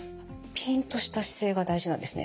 ピンとした姿勢が大事なんですね。